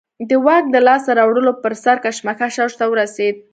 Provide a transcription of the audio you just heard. د واک د لاسته راوړلو پر سر کشمکش اوج ته ورسېد.